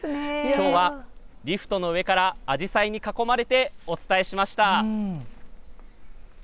きょうはリフトの上からアジサイに囲まれてお伝えしました。